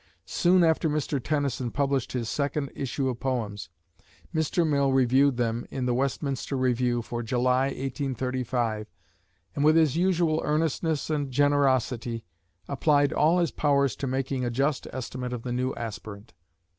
Soon after Mr. Tennyson published his second issue of poems, Mr. Mill reviewed them in "The Westminster Review" for July, 1835, and, with his usual earnestness and generosity, applied all his powers to making a just estimate of the new aspirant.